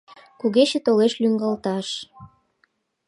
Кугече толеш лӱҥгалташ